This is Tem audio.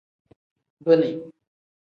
Bini.